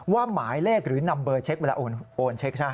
ว่าหมายเลขหรือนำเบอร์เช็คเวลาโอนเช็ค